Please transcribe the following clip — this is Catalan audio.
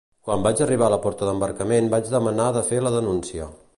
Quan vaig arribar a la porta d’embarcament vaig demanar de fer la denúncia.